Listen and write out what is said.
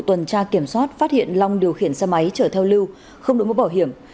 tuần tra kiểm soát phát hiện long điều khiển xe máy chở theo lưu không được mua bảo hiểm